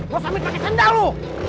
lu samit pake sendalu